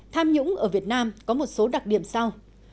tham nhũng ở việt nam có một số đặc điểm sau